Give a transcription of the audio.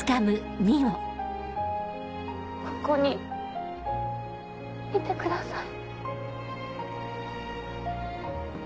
ここにいてください。